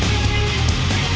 nah ini teh